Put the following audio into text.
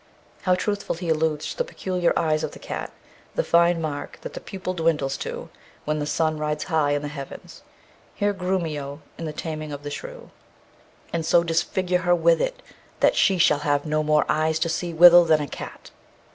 How truthfully he alludes to the peculiar eyes of the cat, the fine mark that the pupil dwindles to when the sun rides high in the heavens! Hear Grumio in The Taming of the Shrew: And so disfigure her with it, that she shall have no more eyes to see withal than a cat.